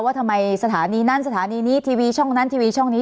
ว่าทำไมสถานีนั้นสถานีนี้ทีวีช่องนั้นทีวีช่องนี้